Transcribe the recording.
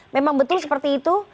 memang betul seperti itu